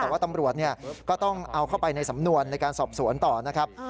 แต่ว่าตำรวจก็ต้องเอาเข้าไปในสำนวนในการสอบสวนต่อนะครับ